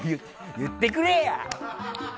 言ってくれや！